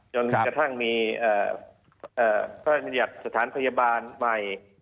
จนกระทั่งมีภรรยัทธิ์สถานพยาบาลใหม่